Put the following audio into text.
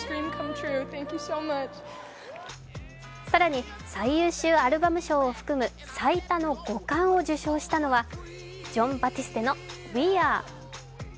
更に最優秀アルバム賞を含む最多の５冠を受賞したのはジョン・バティステの「ＷｅＡｒｅ」。